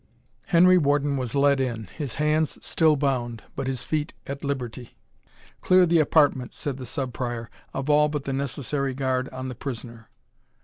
Henry Warden was led in, his hands still bound, but his feet at liberty. "Clear the apartment," said the Sub Prior, "of all but the necessary guard on the prisoner."